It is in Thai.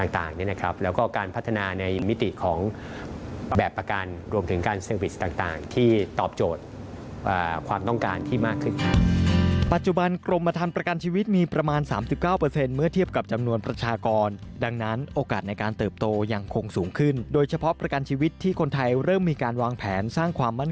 ต่างด้านเข้ากาลพัฒนาในมิติของแบบประกันรวมการการเซอร์วิสต์ต่างที่ตอบโจทย์ความต้องการที่มากขึ้น